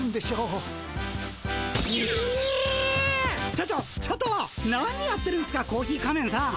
ちょちょちょっと何やってるんすかコーヒー仮面さん。